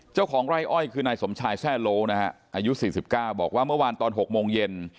เจ้าของไร่อ้อยคือนายสมชายแทร่โลนะฮะอายุ๔๙บอกว่าเมื่อวานตอน๖โมงเย็น